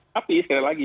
tapi sekali lagi